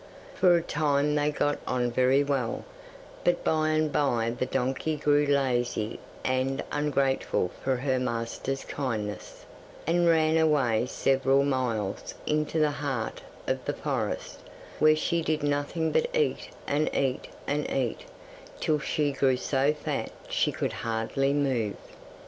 For a time they got on very well, but by and bye the donkey grew lazy and ungrateful for her master's kindness, and ran away several miles into the heart of the forest, where she did nothing but eat and eat and eat, till she grew so fat she could hardly move.